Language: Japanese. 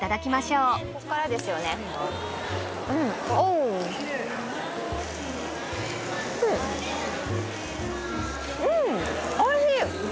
うんおいしい！